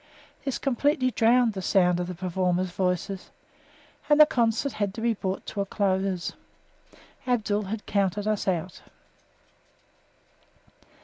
This completely drowned the sound of the performers' voices, and the concert had to be brought to a close; Abdul had counted us out.